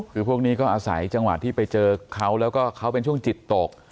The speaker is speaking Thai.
คือพวกนี้ก็อาศัยจังหวะที่ไปเจอเขาแล้วก็เขาเป็นช่วงจิตตก